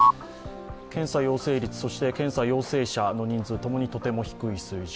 検査陽性率、そして検査陽性者、共にとても低い水準。